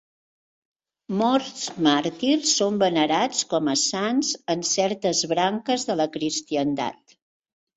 Morts màrtirs, són venerats com a sants en certes branques de la cristiandat.